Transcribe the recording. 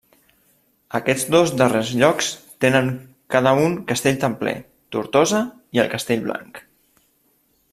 Aquests dos darrers llocs tenen cada un castell templer, Tortosa i el Castell Blanc.